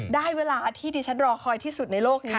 ได้เวลาที่ดิฉันรอคอยที่สุดในโลกนี้